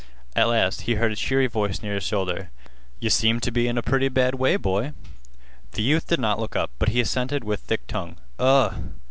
At last he heard a cheery voice near his shoulder: "Yeh seem t' be in a pretty bad way, boy?" The youth did not look up, but he assented with thick tongue. "Uh!"